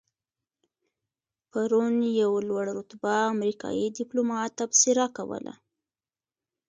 پرون یو لوړ رتبه امریکایي دیپلومات تبصره کوله.